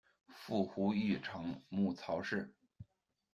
父胡玉成，母曹氏。